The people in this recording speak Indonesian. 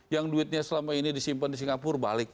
yang duitnya selama ini disimpan di singapura balik